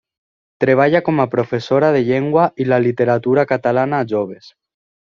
Treballa com a professora de llengua i la literatura catalana a joves.